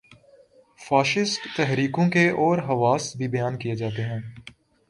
Fascist تحریکوں کے اور خواص بھی بیان کیے جاتے ہیں۔